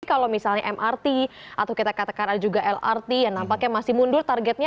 kalau misalnya mrt atau kita katakan ada juga lrt yang nampaknya masih mundur targetnya